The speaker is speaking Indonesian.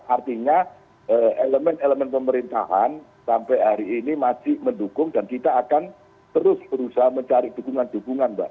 artinya elemen elemen pemerintahan sampai hari ini masih mendukung dan kita akan terus berusaha mencari dukungan dukungan mbak